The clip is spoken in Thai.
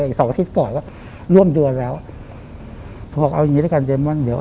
ฉันสันอาทิตย์ก่อนแล้วเริ่มเรื่องนันเดือนแล้ว